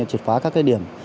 chuyệt phá các điểm